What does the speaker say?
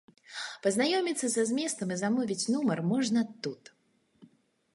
Пазнаёміцца са зместам і замовіць нумар можна тут.